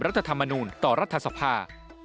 รัฐธรรมนูลต่อรัฐสภา